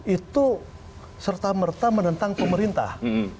itu serta merta menentang pemerintah